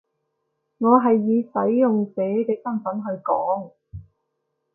我係以使用者嘅身分去講